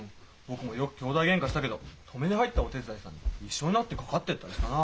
僕もよく兄弟ゲンカしたけど止めに入ったお手伝いさんに一緒になってかかってったりしたな。